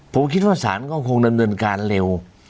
ผมคิดว่าศาลก็คงดำเนินการเร็ว